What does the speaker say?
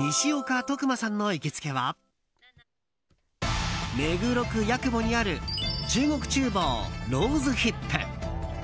西岡徳馬さんの行きつけは目黒区八雲にある中国厨房薔薇果。